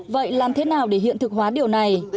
vậy làm thế nào để hiện thực hóa điều này